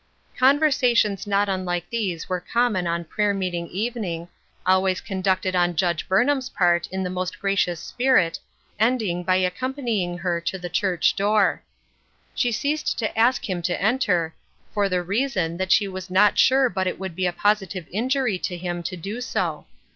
Conversations not unlike these were common on prayer meeting evening, always conducted on Judge Burnham's part, in the most gracious spirit, ending by accompanying her to the church door. She ceased to ask him to enter, for the reason that she was not sure but it would be a positive injury to him to do so.